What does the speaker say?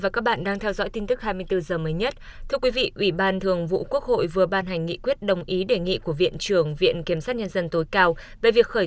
cảm ơn các bạn đã theo dõi